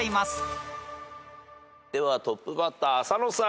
ではトップバッター浅野さん。